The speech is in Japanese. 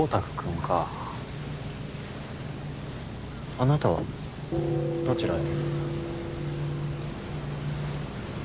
あなたは？どちらへ？